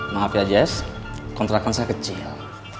maaf ya jess kontrakan saya kecil